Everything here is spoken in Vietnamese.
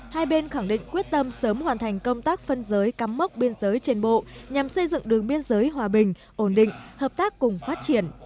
hai bên khẳng định quyết tâm sớm hoàn thành công tác phân giới cắm mốc biên giới trên bộ nhằm xây dựng đường biên giới hòa bình ổn định hợp tác cùng phát triển